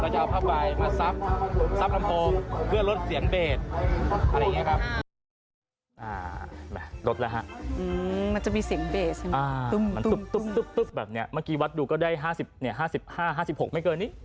จากเมื่อก่อนเราจะให้เล่นนโ